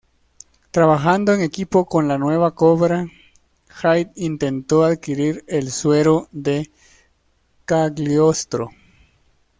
Trabajando en equipo con la nueva Cobra, Hyde intentó adquirir el suero de Cagliostro.